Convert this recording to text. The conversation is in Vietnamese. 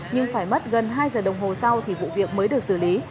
nhưng phải mất gần hai giờ đồng hồ sau thì vụ việc mới được xử lý